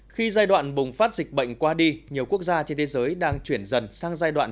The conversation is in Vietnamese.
khi giai đoạn bùng phát dịch bệnh qua đi nhiều quốc gia trên thế giới đang chuyển dần sang giai đoạn